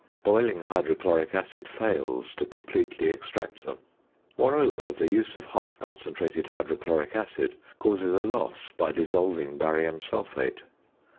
Boiling hydrochloric acid fails to completely extract them. Moreover, the use of hot concentrated hydrochloric acid causes a loss by dissolving barium sulphate.